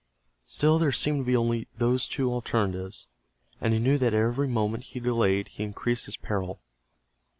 Still there seemed to be only those two alternatives, and he knew that every moment he delayed he increased his peril.